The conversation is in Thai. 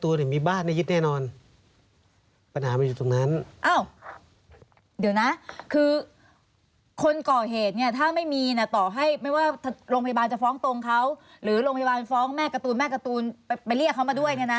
ถ้าลงพยาบาลฟ้องตรงเขาหรือลงพยาบาลฟ้องแม่กาตูนเลี่ยงเขามาด้วยทั้งเนี้ยนะ